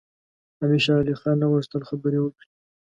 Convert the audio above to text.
امیر شېرعلي خان نه غوښتل خبرې وکړي.